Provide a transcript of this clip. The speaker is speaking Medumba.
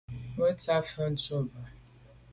Me tswe’ tsha mfe tu bwe.